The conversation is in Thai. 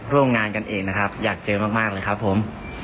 ร่วมงานกันเองนะครับอยากเจอมากเลยครับผม